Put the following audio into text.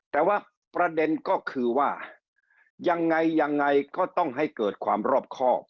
แต่ว่าประเด็นก็คือว่ายังไงยังไงก็ต้องให้เกิดความรอบครอบ